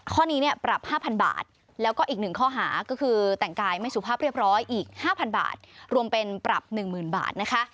ข้อนี้เนี่ยปรับ๕๐๐บาทแล้วก็อีก๑ข้อหาก็คือแต่งกายไม่สุภาพเรียบร้อยอีก๕๐๐บาทรวมเป็นปรับ๑๐๐๐บาทนะคะ